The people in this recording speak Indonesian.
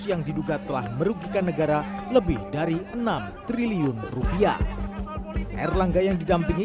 yang diduga telah merugikan negara lebih dari enam triliun rupiah erlangga yang didampingi